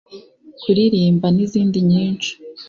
kuririmba n’izindi nyinshi